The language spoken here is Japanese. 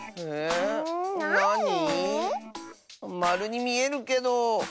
まるにみえるけど。